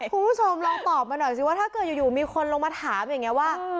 คุณผู้ชมลองตอบมาหน่อยสิว่าถ้าเกิดอยู่มีคนลงมาถามอย่างนี้ว่า